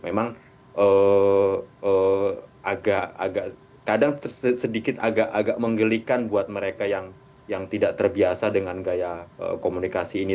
memang agak kadang sedikit agak menggelikan buat mereka yang tidak terbiasa dengan gaya komunikasi ini